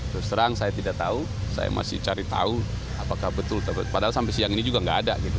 terus terang saya tidak tahu saya masih cari tahu apakah betul padahal sampai siang ini juga nggak ada gitu